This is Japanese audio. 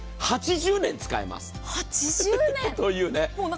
８０年使えます。